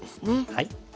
はい。